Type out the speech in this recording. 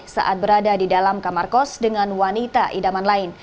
saat berada di dalam kamar kos dengan wanita idaman lain